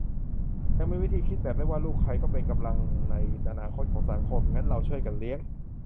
แต่ยังมีวิธีคิดแบบ ไม่ว่าลูกใคร ก็เป็นกำลังในอนาคตของสังคม งั้นเราช่วยกันเลี้ยง